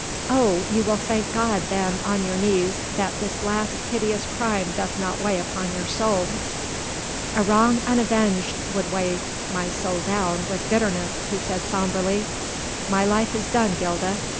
Oh! you will thank God then on your knees, that this last hideous crime doth not weigh upon your soul." "A wrong unavenged would weigh my soul down with bitterness," he said sombrely. "My life is done, Gilda.